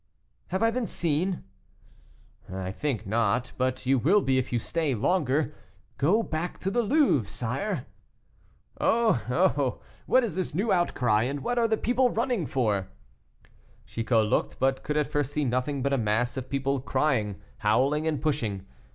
"Have I been seen?" "I think not; but you will be if you stay longer. Go back to the Louvre, sire." "Oh! oh! what is this new outcry, and what are the people running for?" Chicot looked, but could at first see nothing but a mass of people crying, howling, and pushing.